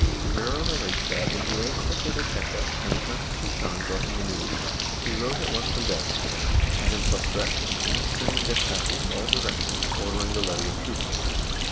Cabrera relates that, when he lay sick at Ateca and the Count of Chinchon brought him the news, he rose at once from bed, had himself dressed and commenced sending despatches in all direc tions, ordering the levy of troops.